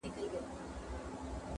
چي په تېښته کي چالاک لکه ماهى وو٫